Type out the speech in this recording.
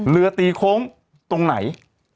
เรือตีโค้งตรงไหน